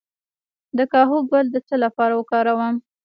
د کاهو ګل د څه لپاره وکاروم؟